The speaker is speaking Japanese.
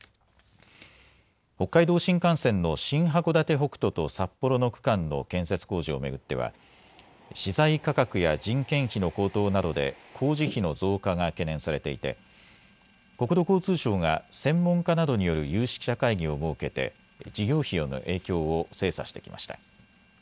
北海道新幹線の新函館北斗と札幌の区間の建設工事を巡っては資材価格や人件費の高騰などで工事費の増加が懸念されていて国土交通省が専門家などによる有識者会議を設けて事業費への影響を精査してきました。